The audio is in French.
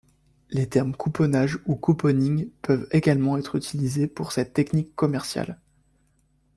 Les termes couponnage ou couponing peuvent également être utilisés pour cette technique commerciale.